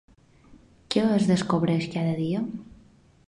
Què es descobreix cada dia?